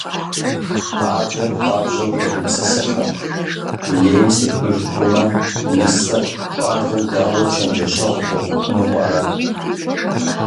Адэр хуабжьу хэгупсысыхьырт: «Дунейм сехыж хъумэ, нысэр щӀалэм дауэ чэнджэщэгъу хуэхъуфыну пӀэрэ?».